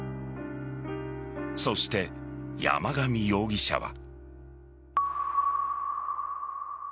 そして山上容疑者は。